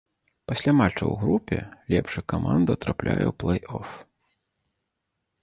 Пасля матчаў у групе лепшая каманда трапляе ў плэй-оф.